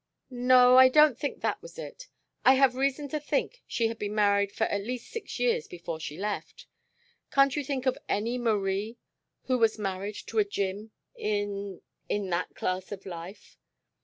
"No I don't think that was it. I have reason to think she had been married for at least six years before she left. Can't you think of any Marie who was married to a Jim in in that class of life?"